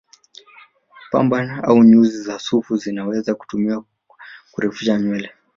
Pamba au nyuzi za sufu zinaweza kutumiwa kurefusha nywele